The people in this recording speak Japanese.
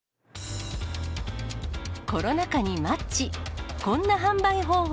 コロナ禍にマッチ。